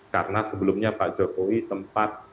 karena sebelumnya pak jokowi sempat